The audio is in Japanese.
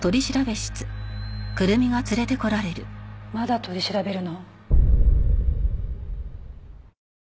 まだ取り調べるの？